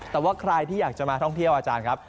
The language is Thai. แต่ว่าใครที่อยากจะมาท่องเที่ยวอาจารย์ครับ